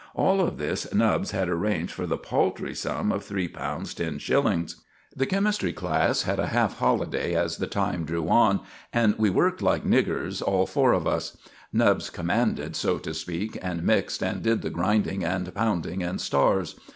All of this Nubbs had arranged for the paltry sum of £3 10_s._ The chemistry class had a half holiday as the time drew on, and we worked like niggers, all four of us. Nubbs commanded, so to speak, and mixed and did the grinding and pounding and stars.